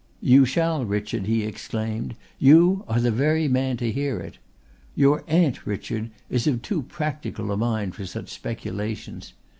"You shall, Richard," he exclaimed. "You are the very man to hear it. Your aunt, Richard, is of too practical a mind for such speculations.